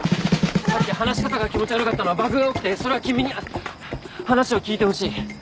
さっき話し方が気持ち悪かったのはバグが起きてそれは君に話を聞いてほしい。